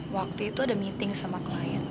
waktu itu ada meeting sama klien